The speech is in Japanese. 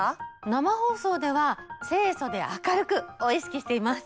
生放送では清楚で明るく！を意識しています。